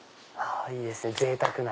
いいですねぜいたくな。